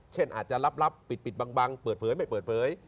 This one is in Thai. เช่นอาจจะลับปิดบังเปิดเผยไม่เปิดเผย